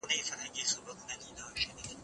شخړې به کمې شي.